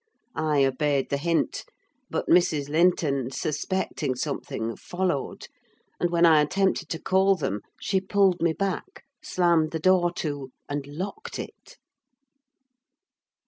I obeyed the hint; but Mrs. Linton, suspecting something, followed; and when I attempted to call them, she pulled me back, slammed the door to, and locked it.